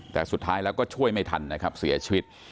แต่สุดท้ายแล้วก็ช่วยไม่ทันนะครับเสียชีวิต